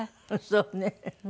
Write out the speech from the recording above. そうね。